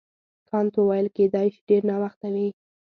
کانت وویل کیدای شي ډېر ناوخته وي.